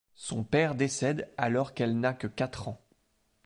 Son père décède alors qu'elle n'a que quatre ans.